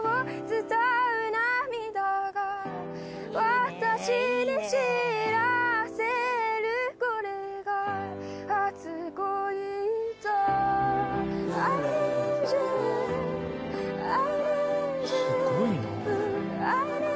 すごいな。